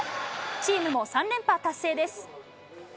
チームも３連覇達成です。